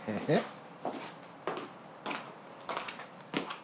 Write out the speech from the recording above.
えっ！？